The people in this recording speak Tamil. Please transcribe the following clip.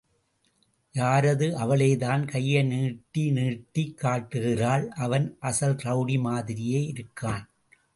யாரது... அவளேதான்... கையை நீட்டி நீட்டிக் காட்டுகிறாள்... அவன் அசல் ரெளடி மாதிரியே இருக்கான்.